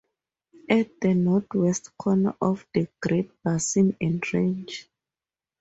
At the northwest corner of the Great Basin and Range.